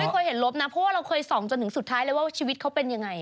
เคยเห็นลบนะเพราะว่าเราเคยส่องจนถึงสุดท้ายเลยว่าชีวิตเขาเป็นยังไง